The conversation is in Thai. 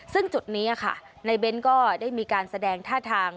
ซึ่งจุดนี้ค่ะในเบ้นก็ได้มีการแสดงท่าทาง